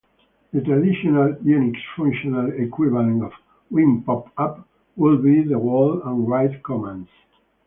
The traditional Unix functional equivalent of WinPopUp would be the wall and write commands.